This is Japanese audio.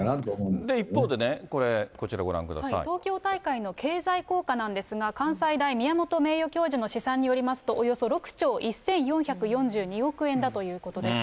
一方でね、これ、こちらご覧東京大会の経済効果なんですが、関西大、宮本名誉教授の試算によりますと、およそ６兆１４４２億円だということです。